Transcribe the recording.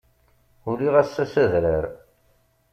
Uliɣ ass-a s adrar.